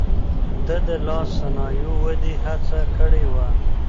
ده د لاس صنايعو ودې هڅه کړې وه.